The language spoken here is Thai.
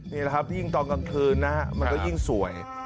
นี่แหละครับยิ่งตอนกลางคืนนะฮะมันก็ยิ่งสวย